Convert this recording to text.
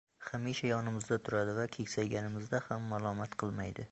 hamisha yonimizda turadi va keksayganimizda ham malomat qilmaydi.